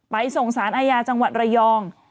ไปส่งศาลอายาจังหวัดระยอง